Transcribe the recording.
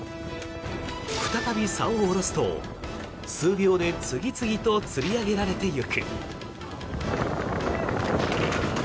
再びさおを下ろすと、数秒で次々と釣り上げられていく。